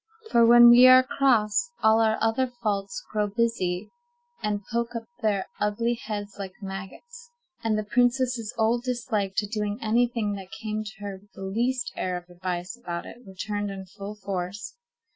For when we are cross, all our other faults grow busy, and poke up their ugly heads like maggots, and the princess's old dislike to doing any thing that came to her with the least air of advice about it returned in full force.